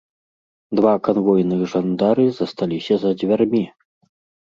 Два канвойных жандары засталіся за дзвярмі.